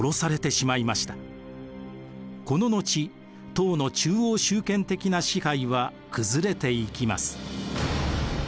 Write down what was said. この後唐の中央集権的な支配は崩れていきます。